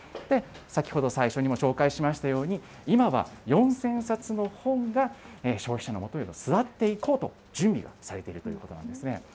先ほど最初に紹介しましたように、今は４０００冊の本が消費者のもとへと巣立っていこうと、準備をされているわけなんですね。